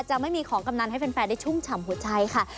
จะไม่มีของกำนันให้แฟนได้ชุ่มฉ่ำหัวใจค่ะ